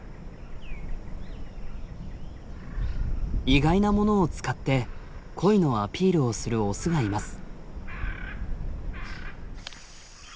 意外なものを使って恋のアピールをするオスがいます。